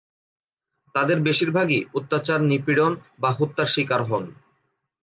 তাদের বেশিরভাগই অত্যাচার, নিপীড়ন বা হত্যার শিকার হন।